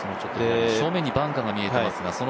正面にバンカーが見えてますが。